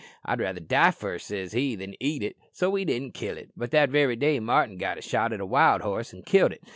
'I'd rather die first,' says he, 'than eat it;' so we didn't kill it. But that very day Martin got a shot at a wild horse an' killed it.